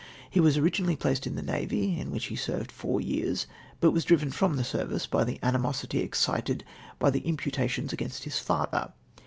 He was originally placed in the navy, in which he served four years, but was driven from the service by the animosity excited l^y the imputations against his lather.